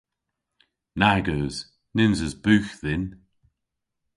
Nag eus. Nyns eus bugh dhyn.